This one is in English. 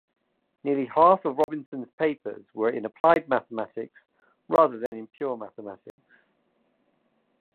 Nearly half of Robinson's papers were in applied mathematics rather than in pure mathematics.